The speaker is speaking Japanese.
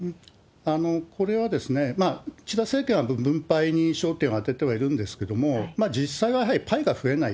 これは、岸田政権は分配に焦点を当ててはいるんですけれども、実際はやはりパイが増えない。